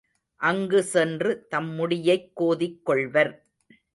அங்குச் சென்று தம் முடியைக் கோதிக் கொள்வர்.